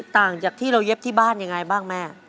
ต่างจากที่เราเย็บที่บ้านยังไงบ้างแม่